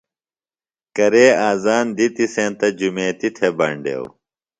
کرے آذان دِتی سینتہ جُمیتی تھےۡ بینڈیوۡ۔